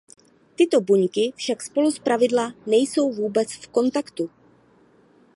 Tyto buňky však spolu zpravidla nejsou vůbec v kontaktu.